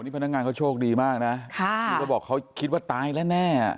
พนักงานเขาโชคดีมากนะบอกว่าเขาคิดว่าตายแล้วแน่